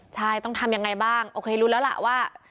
ใช่ต้องทำยังไงบ้างโอเครู้แล้วล่ะว่า